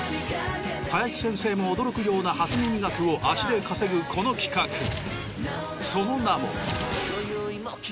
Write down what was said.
林先生も驚くような初耳学を足で稼ぐこの企画その名も。